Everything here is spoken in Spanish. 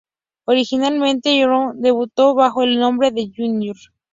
Originalmente Jinyoung debutó bajo el nombre de Jr.